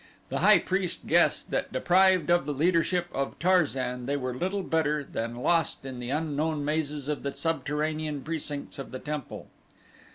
The high priest guessed that deprived of the leadership of Tarzan they were little better than lost in the unknown mazes of the subterranean precincts of the temple.